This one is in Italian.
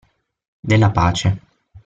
Della pace.